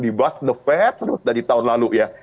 di bus the fed terus dari tahun lalu ya